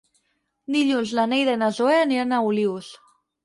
Dilluns na Neida i na Zoè aniran a Olius.